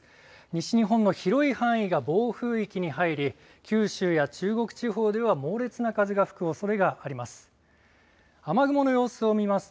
西日本の広い範囲が暴風域に入り、九州や中国地方では、猛烈な風が吹くおそれがあります。